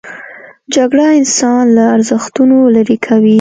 جګړه انسان له ارزښتونو لیرې کوي